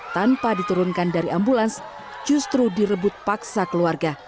tanpa diturunkan dari ambulans justru direbut paksa keluarga